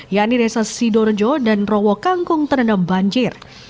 yakni desa sidorejo dan rowo kangkung terendam banjir